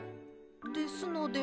ですので。